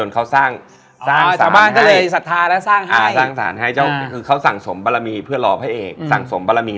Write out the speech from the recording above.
เขาไม่ตื่นอะพี่